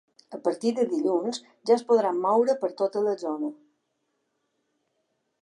A partir de dilluns, ja es podran moure per tota la zona.